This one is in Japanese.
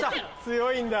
強いんだ。